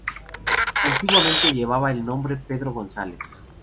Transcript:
Antiguamente llevaba el nombre Pedro González.